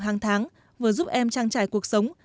hàng tháng vừa giúp em trang trải cuộc sống